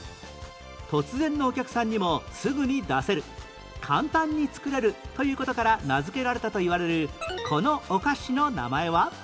突然のお客さんにもすぐに出せる簡単に作れるという事から名付けられたといわれるこのお菓子の名前は？